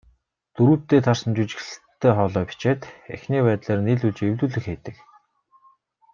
Дүрүүддээ таарсан жүжиглэлттэй хоолой бичээд, эхний байдлаар нийлүүлж эвлүүлэг хийдэг.